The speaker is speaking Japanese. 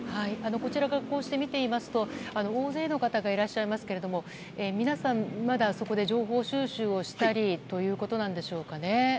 こちらから見ていますと大勢の方がいらっしゃいますが皆さん、まだそこで情報収集をしたりということなんでしょうか。